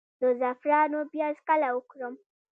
د زعفرانو پیاز کله وکرم؟